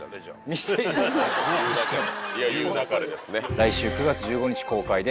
来週９月１５日公開です。